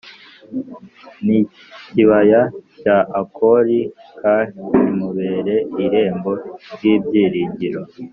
N ikibaya cya akori k kimubere irembo ry ibyiringiro